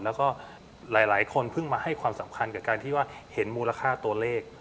แล้วก็หลายคนเพิ่งมาให้ความสำคัญกับการที่ว่าเห็นมูลค่าตัวเลข